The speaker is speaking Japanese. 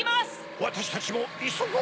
わたしたちもいそごう！